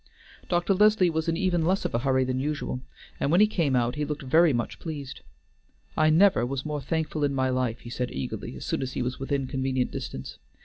Dr. Leslie was in even less of a hurry than usual, and when he came out he looked very much pleased. "I never was more thankful in my life," he said eagerly, as soon as he was within convenient distance.